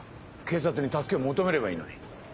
警察に助けを求めればいいのに。